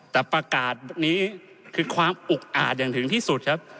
แต่ประกาศนี้คือความอุกอาจอย่างถึงที่สุดครับ